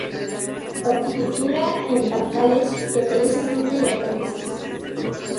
Horticultura en bancales que producen fruta y hortalizas.